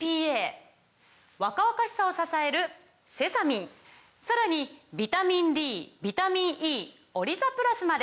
若々しさを支えるセサミンさらにビタミンＤビタミンＥオリザプラスまで！